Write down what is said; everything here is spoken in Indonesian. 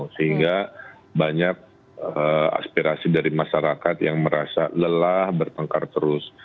sehingga banyak aspirasi dari masyarakat yang merasa lelah bertengkar terus